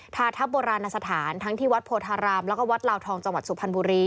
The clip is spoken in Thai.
ทาทัพโบราณสถานทั้งที่วัดโพธารามแล้วก็วัดลาวทองจังหวัดสุพรรณบุรี